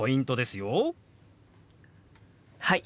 はい！